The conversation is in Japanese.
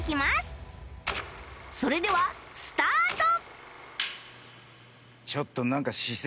それではスタート！